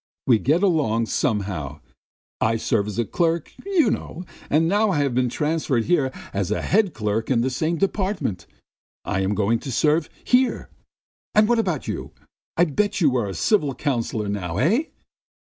We get along somehow. I served as a clerk, you know, and now I have been transferred here as a head clerk in the same department. I am going to serve here. And what about you? I bet you are a civil councillor by now? Eh?"